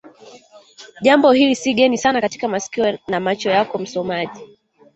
jambo hili si geni sana katika masikio na macho yako msomaji